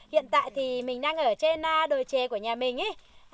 hiện tại thì mình đang ở trên đồi chè của nhà mình ý